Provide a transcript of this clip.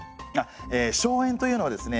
荘園というのはですね